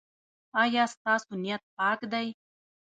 ایا ستاسو نیت پاک دی؟